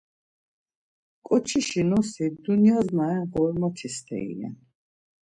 Ǩoçişi nosi, dunyas na ren Ğormot̆i steri ren.